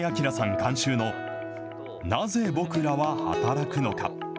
監修の、なぜ僕らは働くのか。